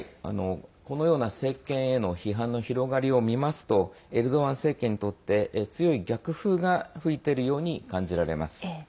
このような政権への批判の広がりを見ますとエルドアン政権にとって強い逆風が吹いてるように感じられます。